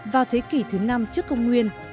vào thế kỷ thứ năm trước công nguyên